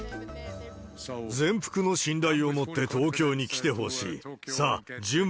全幅の信頼をもって東京に来てほしい。